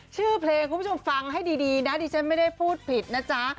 ชื่อเพลงคุณผู้ชมฟังให้ดีนะดิฉันไม่ได้พูดผิดนะจ๊ะ